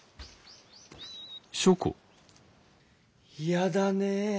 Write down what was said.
嫌だねえ